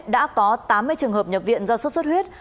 đã có tám mươi trường hợp nhập viện do sốt xuất huyết